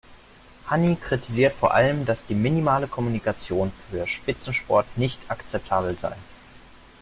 Hanni kritisiert vor allem, dass die minimale Kommunikation für Spitzensport nicht akzeptabel sei.